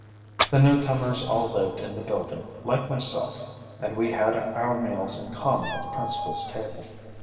The newcomers all lived in the building, like myself, and we had our meals in common at the principal's table.